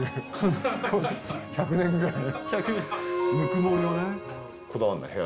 １００年ぐらい。